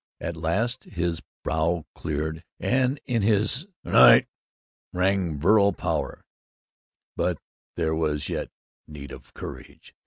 At last his brow cleared, and in his "Gnight!" rang virile power. But there was yet need of courage.